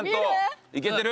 いけてる？